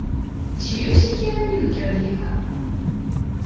Ці ёсць якія навінкі ад іх?